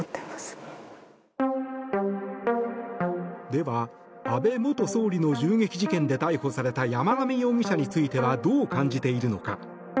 では、安倍元総理の銃撃事件で逮捕された山上容疑者についてはどう感じているのか。